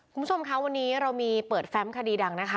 คุณผู้ชมคะวันนี้เรามีเปิดแฟมคดีดังนะคะ